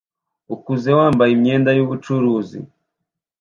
ukuze wambaye imyenda yubucuruzi